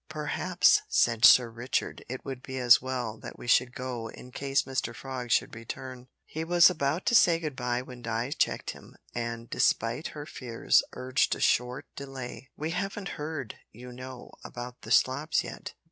"Perhaps," said Sir Richard, "it would be as well that we should go, in case Mr Frog should return." He was about to say good bye when Di checked him, and, despite her fears, urged a short delay. "We haven't heard, you know, about the slops yet.